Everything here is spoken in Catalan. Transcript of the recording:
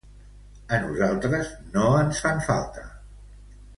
A nosaltres no ens fan falta.